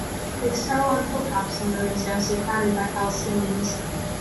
They settle on hilltops in areas densely crowded by Palestinians.